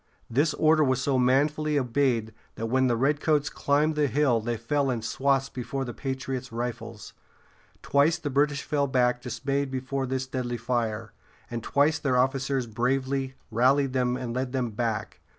] This order was so manfully obeyed that when the redcoats climbed the hill they fell in swaths before the patriots' rifles. Twice the British fell back dismayed before this deadly fire, and twice their officers bravely rallied them and led them back.